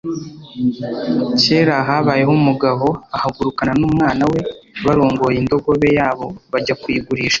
kera habayeho umugabo ahagurukana n'umwana we barongoye indogobe yabo bajya kuyigurisha.